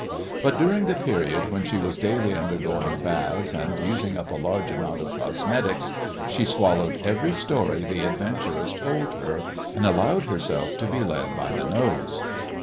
But during the period when she was daily undergoing baths and using up a large amount of cosmetics she swallowed every story the adventuress told her, and allowed herself to be led by the nose.